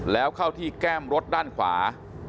แล้วเข้าที่แก้มรถด้านขวา